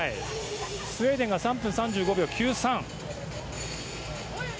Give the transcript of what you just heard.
スウェーデンが３分３５秒９３。